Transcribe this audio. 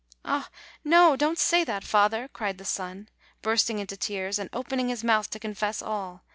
"Ah no! ,don't say that, father!" cried the son, bursting into tears, and opening his mouth to confess all.